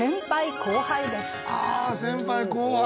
あ「先輩・後輩」。